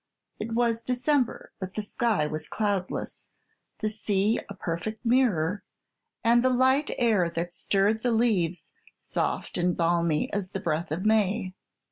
It was December; but the sky was cloudless, the sea a perfect mirror, and the light air that stirred the leaves soft and balmy as the breath of May.